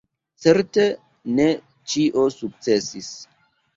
Certe ne ĉio sukcesis.